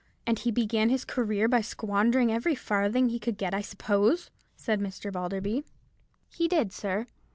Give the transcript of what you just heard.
"And he began his career by squandering every farthing he could get, I suppose?" said Mr. Balderby. "He did, sir.